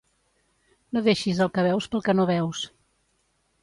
No deixis el que veus pel que no veus.